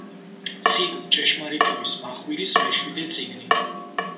ციკლ „ჭეშმარიტების მახვილის“ მეშვიდე წიგნი.